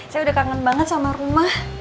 saya udah kangen banget sama rumah